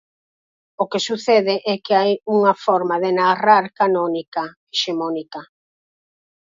O que sucede é que hai unha forma de narrar canónica, hexemónica.